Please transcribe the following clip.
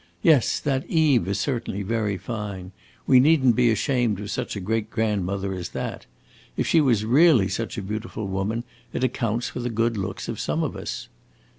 Yes, that Eve is certainly very fine. We need n't be ashamed of such a great grandmother as that. If she was really such a beautiful woman, it accounts for the good looks of some of us.